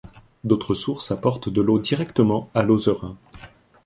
D'autres sources apportent de l'eau directement à l'Ozerain.